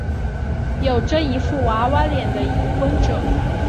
有着一副娃娃脸的已婚者。